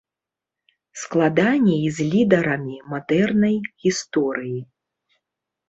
Складаней з лідарамі мадэрнай гісторыі.